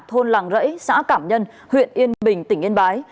thôn làng rẫy xã cảm nhân huyện yên bình tỉnh yên bái